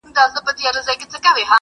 د ماشومتوب او د بنګړیو وطن-